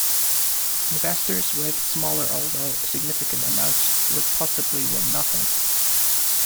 Investors with smaller although significant amounts would possibly win nothing.